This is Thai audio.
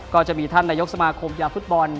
ก็จะมีท่านนายกสมาคมกีฬาฟุตบอล